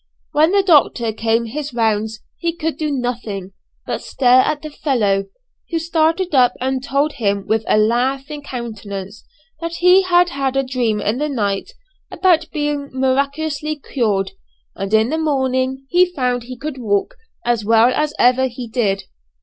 When the doctor came his rounds, he could do nothing but stare at the fellow, who started up and told him with a laughing countenance that he had had a dream in the night, about being miraculously cured, and in the morning he found he could walk as well as ever he did.